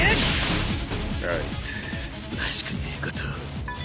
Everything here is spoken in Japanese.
あいつらしくねえことを。